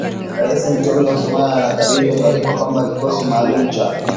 Raisi mteule wa Somalia anakaribisha taarifa kwamba kikosi maalum cha